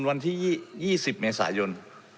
วันที่๒๐เมษายน